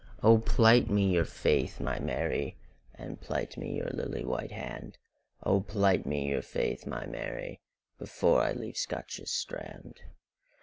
O plight me your faith, my Mary, And plight me your lily white hand;O plight me your faith, my Mary, Before I leave Scotia's strand.